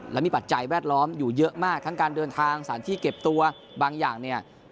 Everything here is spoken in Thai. และมีปัจจัยแวดล้อมอยู่เยอะมากทั้งการเดินทางสถานที่เก็บตัวบางอย่างเนี่ย